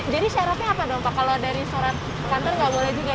jadi syaratnya apa kalau dari kantor tidak boleh juga